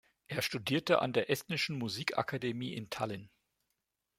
Er studierte an der Estnischen Musikakademie in Tallinn.